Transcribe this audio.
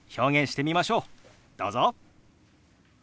どうぞ！